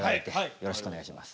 よろしくお願いします。